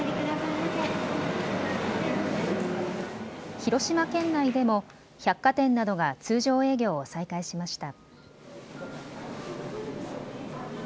広島県内でも百貨店などが通常営業を再開しました。